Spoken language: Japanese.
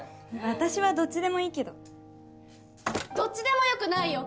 私はどっちでもいいけどどっちでもよくないよ！